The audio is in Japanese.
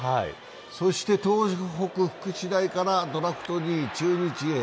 そして東北福祉大からドラフト２位、中日へ。